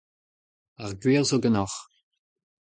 Ar gwir zo ganeoc'h.